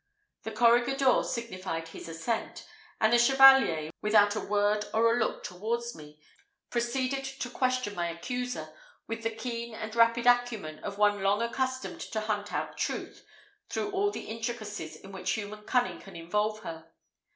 The corregidor signified his assent; and the Chevalier, without a word or a look towards me, proceeded to question my accuser with the keen and rapid acumen of one long accustomed to hunt out truth through all the intricacies in which human cunning can involve her.